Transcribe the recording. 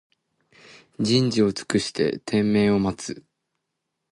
人事を尽くして天命を待つ